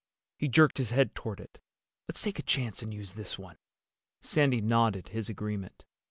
He jerked his head toward it. "Let's take a chance and use this one." Sandy nodded his agreement.